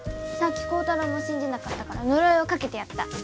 さっき高太郎も信じなかったから呪いをかけてやった。